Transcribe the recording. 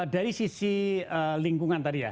dari sisi lingkungan tadi ya